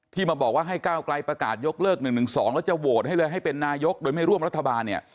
มาบอกว่าให้ก้าวไกลประกาศยกเลิก๑๑๒แล้วจะโหวตให้เลยให้เป็นนายกโดยไม่ร่วมรัฐบาลเนี่ย